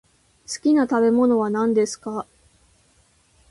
好きな食べ物は何ですか？